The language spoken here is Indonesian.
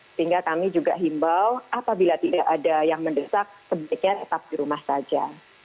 sehingga kami juga himbau apabila tidak ada yang mendesak sebaiknya tetap di rumah saja